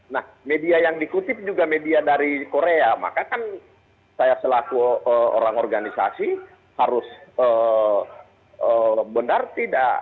nah media yang dikutip juga media dari korea maka kan saya selaku orang organisasi harus benar tidak